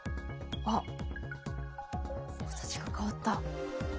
あっ形が変わった。